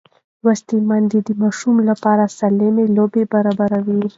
لوستې میندې د ماشوم لپاره سالمې لوبې برابروي.